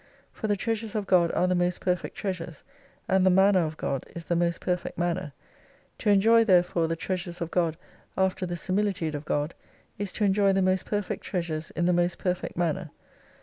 For the treasures of God are the most perfect treasures, and the manner of God is the most perfect manner. To enjoy therefore the treasures of God after the similitude of God is to enjoy the most perfect treasures in the most perfect manner.